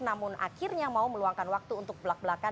namun akhirnya mau meluangkan waktu untuk belak belakan